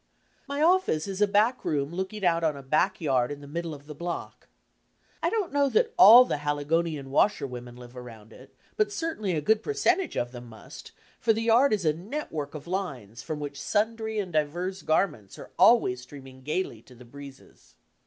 My office is a back room looking out on a back yard in the middle of the block. I don't know that all the HaligcMiian washerwomen live around it, but certainly a good percentage of them must, for the yard is a network of lines from which sundry and divers garments are always streaming gaily to the breezes.